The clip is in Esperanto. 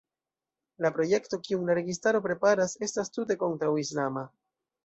La projekto kiun la registaro preparas estas tute kontraŭislama.